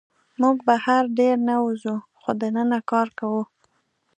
موږ بهر ډېر نه وځو، خو دننه کار کوو.